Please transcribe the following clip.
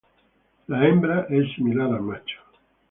La hebra es similar al macho.